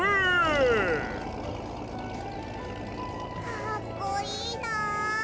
かっこいいなあ。